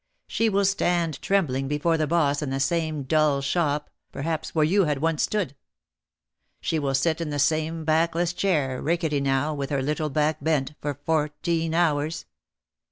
She will stand trembling before the boss in the same dull shop, perhaps, where you had once stood. She will sit in the same backless chair, rickety now, with her little back bent, for fourteen hours."